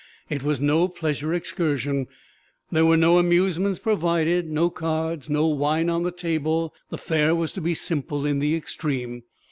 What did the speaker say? It was no pleasure excursion there were no amusements provided, no cards, no wine on the table; the fare was to be simple in the extreme.